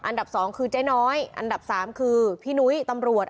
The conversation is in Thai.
อันดับสองคือเจ๊น้อยอันดับสามคือพี่นุ้ยตำรวจ